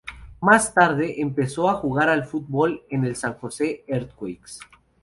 Más tarde, empezó a jugar al Fútbol en el San Jose Earthquakes.